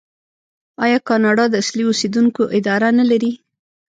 آیا کاناډا د اصلي اوسیدونکو اداره نلري؟